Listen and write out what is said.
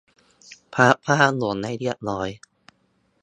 พับผ้าห่มให้เรียบร้อย